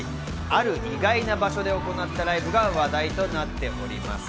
ある意外な場所で行ったライブが話題となっております。